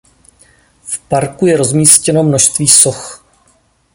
V parku je rozmístěno množství soch.